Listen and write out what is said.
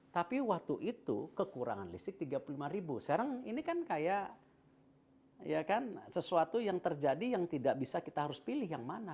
tapi waktu itu kekurangan listrik tiga puluh lima sekarang ini kan kayak sesuatu yang terjadi yang tidak bisa kita harus pilih yang mana